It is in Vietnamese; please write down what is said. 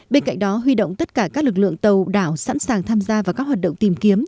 bên cạnh đó huy động tất cả các lực lượng tàu đảo sẵn sàng tham gia vào các hoạt động tìm kiếm